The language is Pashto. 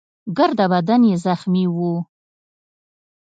ګرده بدن يې زخمي وو.